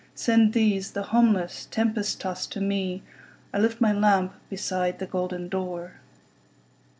Send these, the homeless, tempest tost to me,I lift my lamp beside the golden door!"